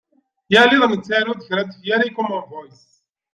Yal iḍ nettaru-d kra n tefyar i Common Voice.